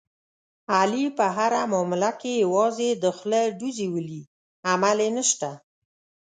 علي په هره معامله کې یوازې د خولې ډوزې ولي، عمل یې نشته.